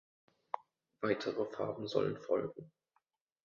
Weitere Farben sollen folgen.